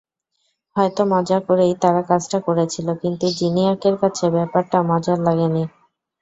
হয়তো মজা করেই তারা কাজটা করেছিল, কিন্তু জিনিয়াকের কাছে ব্যাপারটা মজার লাগেনি।